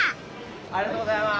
ありがとうございます。